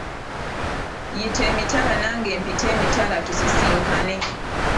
Yita emitala nange mpite emitala tusisinkane.